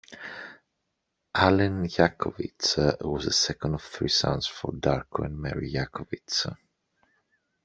Allen Jakovich was the second of three sons for Darko and Mary Jakovich.